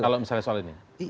kalau misalnya soal ini